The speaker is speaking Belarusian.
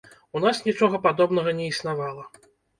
У нас нічога падобнага не існавала.